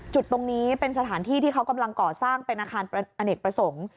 จุดตรงนี้เป็นสถานที่ที่เขากำลังก่อสร้างเป็นอาคารอเนกประสงค์